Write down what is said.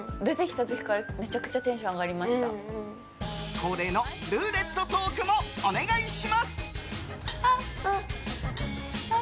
恒例のルーレットトークもお願いします。